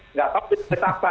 nggak tahu bisa berapa